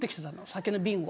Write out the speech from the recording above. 酒の瓶を。